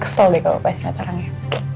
kesel deh kalau pasnya terang ya